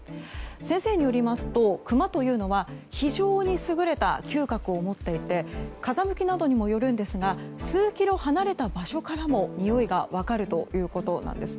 先生によりますとクマというのは非常に優れた嗅覚を持っていて風向きなどにもよるんですが数キロ離れた場所からもにおいが分かるということです。